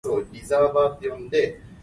櫳仔內